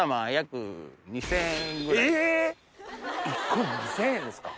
１個２０００円ですか？